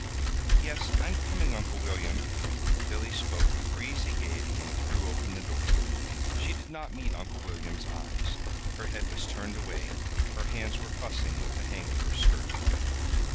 "Yes, I'm coming, Uncle William." Billy spoke with breezy gayety, and threw open the door; but she did not meet Uncle William's eyes. Her head was turned away. Her hands were fussing with the hang of her skirt.